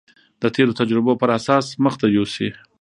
د تېرو تجربو پر اساس مخته يوسي.